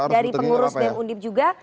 dari pengurus bem undip juga